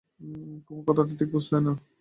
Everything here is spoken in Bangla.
কুমু কথাটা ঠিক বুঝলে না।